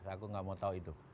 aku nggak mau tahu itu